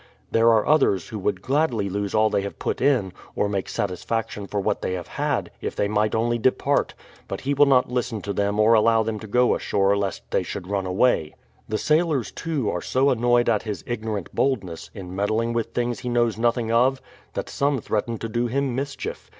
There are others who would gladly lose all they have put in, or make satisfaction for what they 60 BRADFORD'S HISTORY OF have had, if they might only depart ; but he will not listen to them or allow them to go ashore lest they should run away. The sailors, too, are so annoyed at his ignorant boldness, in meddling with things he knows nothing of, that some threaten to do him mischief.